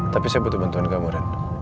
tapi saya butuh bantuan kamu ren